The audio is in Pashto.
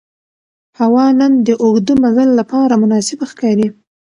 هوا نن د اوږده مزل لپاره مناسبه ښکاري